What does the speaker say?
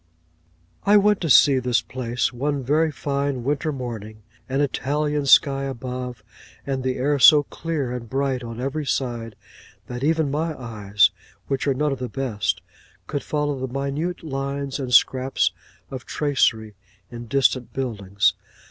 I went to see this place one very fine winter morning: an Italian sky above, and the air so clear and bright on every side, that even my eyes, which are none of the best, could follow the minute lines and scraps of tracery in distant buildings.